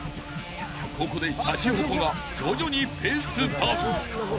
［ここでシャチホコが徐々にペースダウン］